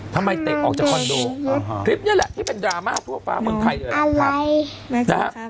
ทำไมเตะออกจากคอนโดคลิปนี้แหละที่เป็นดราม่าทั่วประเภทเมืองไทย